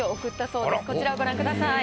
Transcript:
先日こちらをご覧ください。